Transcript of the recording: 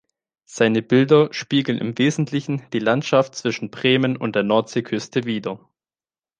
Seine Bilder spiegeln im Wesentlichen die Landschaft zwischen Bremen und der Nordseeküste wider.